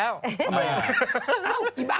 เอาเอี๋บี้บ๊า